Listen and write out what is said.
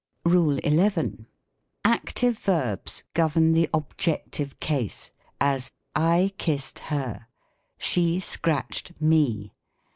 RULE XL Active verbs govern the objective case : as, " I kiss ed her." "She scratched me."